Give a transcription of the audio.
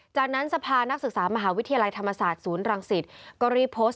จากนั้นสภานักศึกษามหาวิทยาลัยธรรมศาสตร์ศูนย์รังสิตก็รีบโพสต์